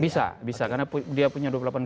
bisa bisa karena dia punya dua puluh delapan budusi